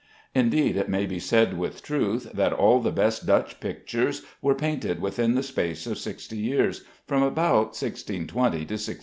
Indeed, it may be said with truth, that all the best Dutch pictures were painted within the space of sixty years from about 1620 to 1680.